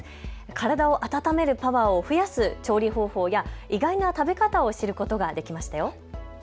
体を温めるパワーを増やす調理方法や意外な食べ方を知ることができましたよ。